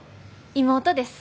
妹です。